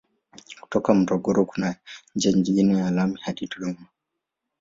Kutoka Morogoro kuna njia nyingine ya lami hadi Dodoma.